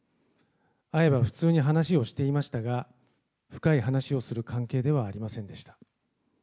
会えば普通に話をしていましたが、深い話をする関係ではありませんでした。